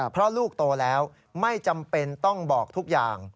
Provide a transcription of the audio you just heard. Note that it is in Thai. เพราะลูกโตแล้วไม่จำเป็นต้องบอกทุกอย่าง